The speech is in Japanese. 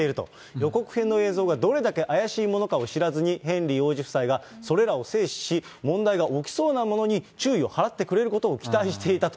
予告編の映像がどれだけ怪しいものかを知らずに、ヘンリー王子夫妻がそれらを精査し、問題が起きそうなものに注意を払ってくれることを期待していたと。